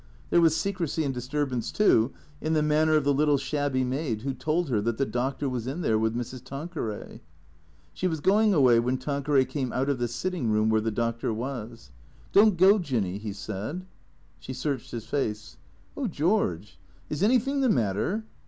There was secrecy and disturbance, too, in the manner of the little shabby maid who told her that the doctor was in there with Mrs. Tanqueray. She was going away when Tanqueray came out of the sitting room where the doctor was. " Don't go. Jinny," he said. She searched his face. " Oh, George, is anything the matter